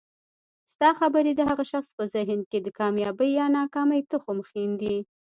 ستا خبري د هغه شخص په ذهن کي د کامیابۍ یا ناکامۍ تخم ښیندي